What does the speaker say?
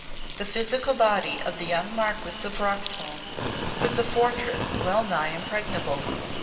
The physical body of the young Marquess of Roxholm was a fortress well nigh impregnable.